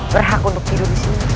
berhak untuk tidur disini